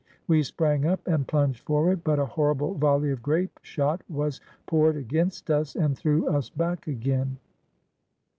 We sprang up and plunged forward, but a horrible volley of grape shot was poured against us and threw us back again.